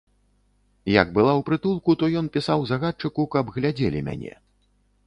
Як была ў прытулку, то ён пісаў загадчыку, каб глядзелі мяне.